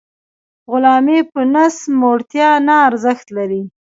غلامي په نس موړتیا نه ارزښت نلري.